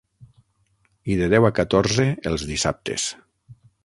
I de deu a catorze els dissabtes.